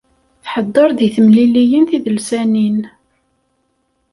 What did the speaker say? Tḥeddeṛ deg temliliyin tidelsanin.